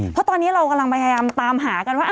เพราะตอนนี้เรากำลังพยายามตามหากันว่า